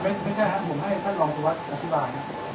ไม่ใช่ครับผมให้คุณลองคิววักษฎีตัวอธิบายครับ